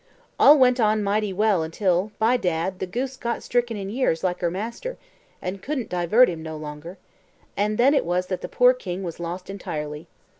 All went on mighty well until, by dad, the goose got stricken in years like her master, and couldn't divert him no longer, and then it was that the poor king was lost entirely.